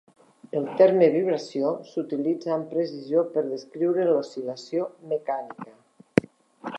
El terme "vibració" s'utilitza amb precisió per descriure l'oscil·lació mecànica.